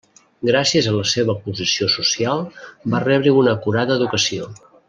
Gràcies a la seva posició social, va rebre una acurada educació.